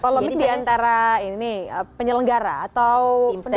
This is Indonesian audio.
polemik diantara ini penyelenggara atau pendukung